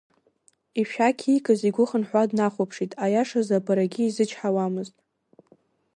Ишәақь иикыз игәы хынҳәуа днахәаԥшит, аиашазы абарагьы изычҳауамызт.